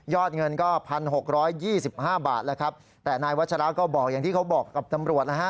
ยอดเงินก็๑๖๒๕บาทแต่นายวัชราก็บอกอย่างที่เขาบอกกับนำรวจ